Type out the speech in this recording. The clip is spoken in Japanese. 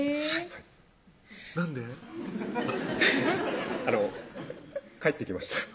フフッ帰ってきました